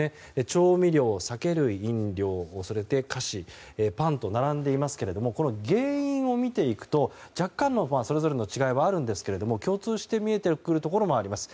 調味料、酒類、飲料そして菓子、パンと並んでいますが原因を見ていくと若干のそれぞれの違いはありますが共通して見えてくることもあります。